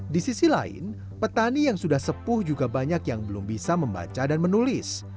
di sisi lain petani yang sudah sepuh juga banyak yang belum bisa membaca dan menulis